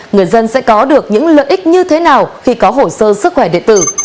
người dân sẽ có được những lợi ích như thế nào khi có hồ sơ sức khỏe điện tử